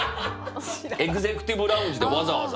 エグゼクティブラウンジでわざわざ。